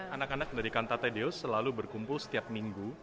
anak anak dari cantate deus selalu berkumpul setiap minggu